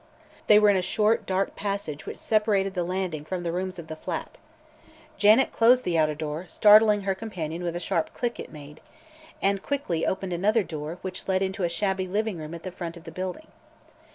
They were in a short, dark passage which separated the landing from the rooms of the flat. Janet closed the outer door, startling her companion with the sharp "click" it made, and quickly opened another door which led into a shabby living room at the front of the building.